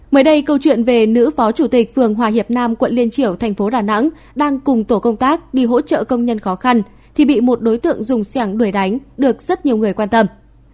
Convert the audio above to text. mới đây câu chuyện về nữ phó chủ tịch phường hòa hiệp nam quận liên triểu thành phố đà nẵng đang cùng tổ công tác đi hỗ trợ công nhân khó khăn thì bị một đối tượng dùng xẻng đuổi đánh được rất nhiều người quan tâm